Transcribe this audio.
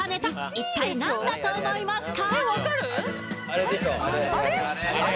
一体、何だと思いますか？